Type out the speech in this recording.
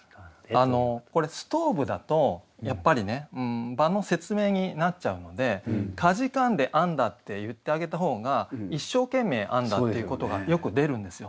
これ「ストーブ」だとやっぱりね場の説明になっちゃうので悴んで編んだって言ってあげたほうが一生懸命編んだっていうことがよく出るんですよ。